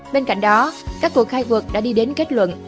bên cạnh đó các cuộc khai cuộc đã đi đến kết luận